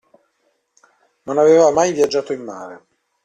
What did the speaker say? Non aveva mai viaggiato in mare.